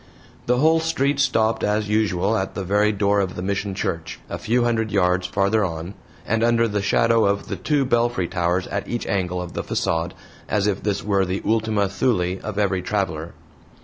The whole street stopped as usual at the very door of the Mission church, a few hundred yards farther on, and under the shadow of the two belfry towers at each angle of the facade, as if this were the ultima thule of every traveler.